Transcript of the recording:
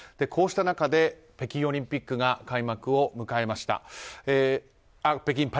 こうした中で北京パラリンピックが開幕を迎えました。